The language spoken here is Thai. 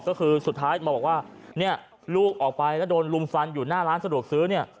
ก็คือสุดท้ายมาบอกว่าเนี่ยลูกออกไปแล้วโดนลุมฟันอยู่หน้าร้านสะดวกซื้อเนี่ย